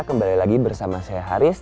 kembali lagi bersama saya haris